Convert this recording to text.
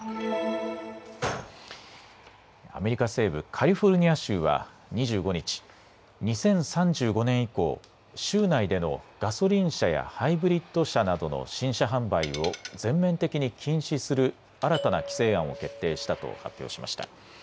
アメリカ西部カリフォルニア州は２５日、２０３５年以降、州内でのガソリン車やハイブリッド車などの新車販売を全面的に禁止する新たな規制案を決定したと発表しました。